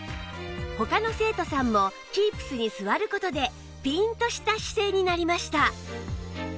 他の生徒さんも Ｋｅｅｐｓ に座る事でピーンとした姿勢になりました